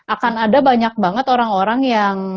akan ada banyak banget orang orang yang